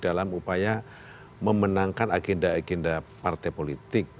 dalam upaya memenangkan agenda agenda partai politik